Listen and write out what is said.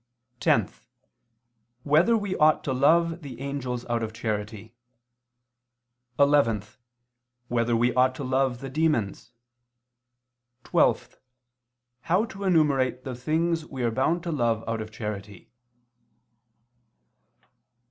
(10) Whether we ought to love the angels out of charity? (11) Whether we ought to love the demons? (12) How to enumerate the things we are bound to love out of charity.